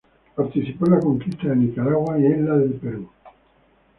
Participó en la conquista de Nicaragua y en la del Perú.